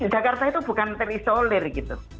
jakarta itu bukan terisolir gitu